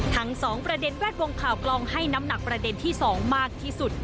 ทั้ง๒ประเด็นแวดวงข่าวกลองให้น้ำหนักประเด็นที่๒มากที่สุด